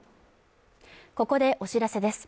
ここでお知らせです